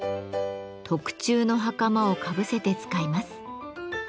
特注の袴をかぶせて使います。